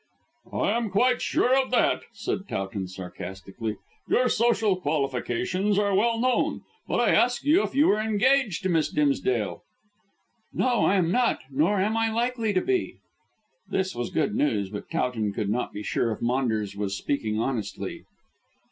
"I am quite sure of that," said Towton sarcastically; "your social qualifications are well known. But I asked you if you were engaged to Miss Dimsdale." "No, I am not, nor am I likely to be." This was good news, but Towton could not be sure if Maunders was speaking honestly.